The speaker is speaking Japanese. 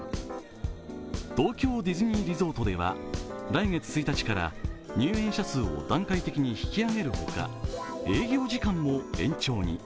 東京ディズニーリゾートでは、来月１日から入園者数を段階的に引き上げるほか、営業時間も延長に。